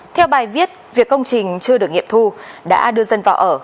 theo bài viết việc công trình chưa được nghiệm thu đã đưa dân vào ở